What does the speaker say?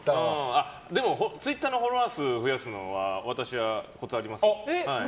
でもツイッターのフォロワー数を増やすのは私はコツありますよ。